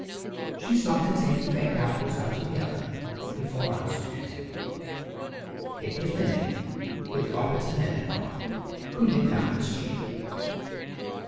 She stopped to take the Baked Apples out of the oven, before answering. It was Billy with Robert and Eleanor who lived down the street.